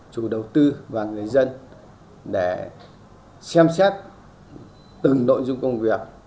chủ đầu tư và người dân để xem xét từng nội dung công việc